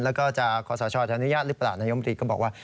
แล้วก็จะขอสชจะอนุญาตหรือเปล่านายมตรีก็บอกว่า